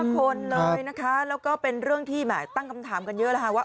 คนเลยนะคะแล้วก็เป็นเรื่องที่ตั้งคำถามกันเยอะแล้วค่ะว่า